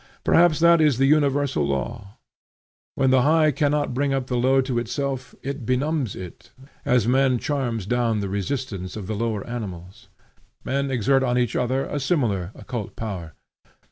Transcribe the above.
Perhaps that is the universal law. When the high cannot bring up the low to itself, it benumbs it, as man charms down the resistance of the lower animals. Men exert on each other a similar occult power.